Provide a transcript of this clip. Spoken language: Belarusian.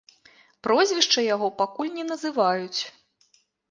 Прозвішча яго пакуль не называюць.